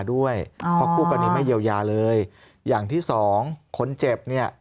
ด้วยเพราะคู่กรณีไม่เยียวยาเลยอย่างที่สองคนเจ็บเนี่ย